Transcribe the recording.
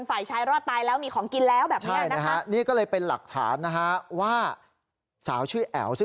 ฝ่ายชายรอดตายแล้วมีของกินแล้วแบบนี้นะฮะ